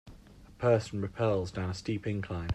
A person rappels down a steep incline.